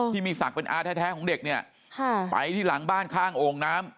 ที่มีศักดิ์เป็นอาแท้ของเด็กเนี่ยไปที่หลังบ้านข้างโอ่งน้ำ